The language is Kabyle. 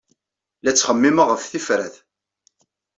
La ttxemmimeɣ ɣef tifrat.